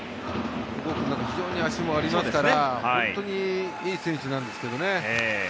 小郷君なんか足もありますから本当にいい選手なんですけどね。